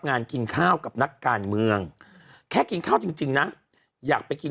งานกินข้าวกับนักการเมืองแค่กินข้าวจริงนะอยากไปกิน